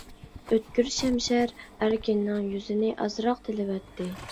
ئۆتكۈر شەمشەر ئەركىننىڭ يۈزىنى ئازراق تىلىۋەتتى.